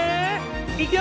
いくよ！